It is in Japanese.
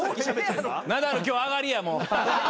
ナダル今日上がりやもう。